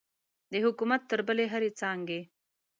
د حکومت تر بلې هرې څانګې.